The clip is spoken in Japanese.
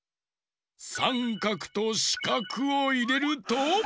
さんかくとしかくをいれると。